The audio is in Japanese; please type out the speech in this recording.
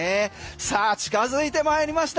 さあ近づいてまいりました。